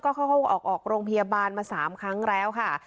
เข้าออกโรงพยาบาลมา๓ครั้งแล้วค่ะ